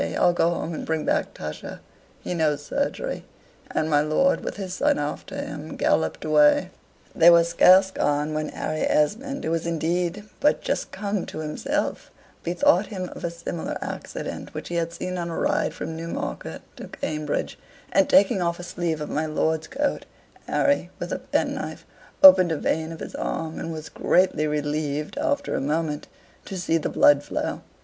I'll go home and bring back Tusher; he knows surgery," and my lord, with his son after him, galloped away. They were scarce gone when Harry Esmond, who was indeed but just come to himself, bethought him of a similar accident which he had seen on a ride from Newmarket to Cambridge, and taking off a sleeve of my lord's coat, Harry, with a penknife, opened a vein of his arm, and was greatly relieved, after a moment, to see the blood flow.